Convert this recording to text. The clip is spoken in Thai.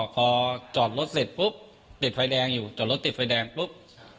พอจอดรถเสร็จปุ๊บจอดรถติดไฟแดงปุ๊บ